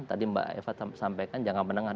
tadi mbak eva sampaikan jangka menengah